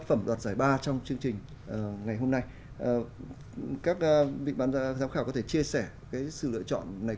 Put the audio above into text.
ở dưới nước thôi